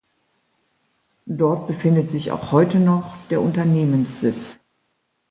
Dort befindet sich auch heute noch der Unternehmenssitz.